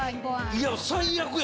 いや最悪や。